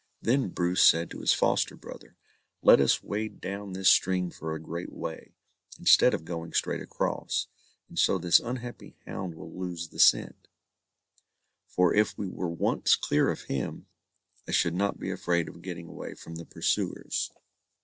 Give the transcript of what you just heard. Then Bruce said to his foster brother, "Let us wade down this stream for a great way, instead of going straight across, and so this unhappy hound will lose the scent; for if we were once clear of him, I should not be afraid of getting away from the pursuers."